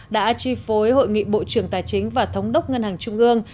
đã chi phối hội nghị bộ trưởng tài chính và thống đốc ngân hàng trung ương